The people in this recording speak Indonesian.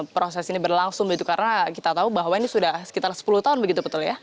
proses ini berlangsung begitu karena kita tahu bahwa ini sudah sekitar sepuluh tahun begitu betul ya